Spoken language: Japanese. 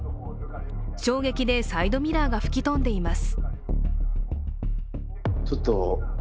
衝撃でサイドミラーが吹き飛んでいます。